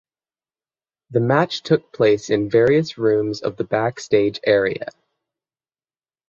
The match took place in various rooms of the backstage area.